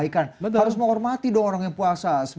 orang yang puasa harus menghormati orang yang puasa